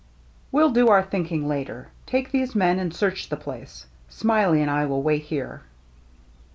" We*ll do our thinking later. Take these men and search the place. Smiley and I will wait here."